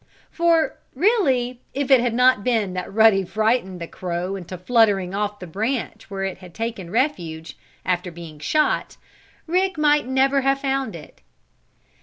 For, really, if it had not been that Ruddy frightened the crow into fluttering off the branch where it had taken refuge, after being shot, Rick might never have found it.